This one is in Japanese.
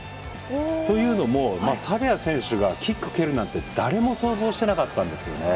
というのもサベア選手がキック蹴るなんて誰も想像してなかったんですよね。